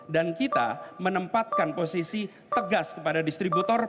dan kita menempatkan posisi tegas kepada distributor